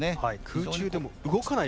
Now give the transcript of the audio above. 空中でも動かない。